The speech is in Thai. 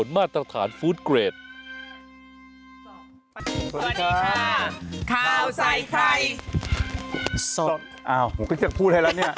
มาผมก็ยังพูดให้แล้วเนี่ย